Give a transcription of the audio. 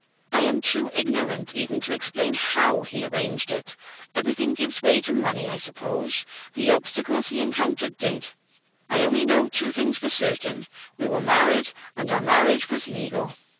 I am too ignorant even to explain how he arranged it everything gives way to money, I suppose the obstacles he encountered did. I only know two things for certain we were married, and our marriage was legal."